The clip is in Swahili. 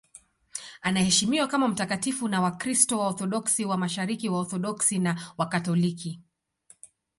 Anaheshimiwa kama mtakatifu na Wakristo Waorthodoksi wa Mashariki, Waorthodoksi na Wakatoliki.